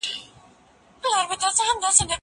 زه له پرون راهیسې کار کوم؟!